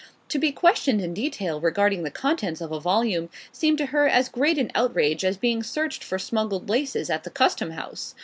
To be questioned in detail regarding the contents of a volume seemed to her as great an outrage as being searched for smuggled laces at the Custom House.